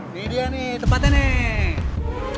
ini dia nih tempatnya nih